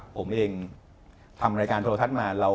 ผมเองทำรายการโทรทัศน์มา